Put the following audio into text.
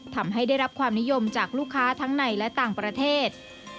ทำให้ได้รับความนิยมจากลูกค้าทั้งในและต่างประเทศ